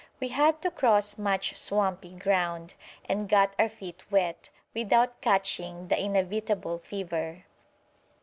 We had to cross much swampy ground, and got our feet wet, without catching the inevitable fever.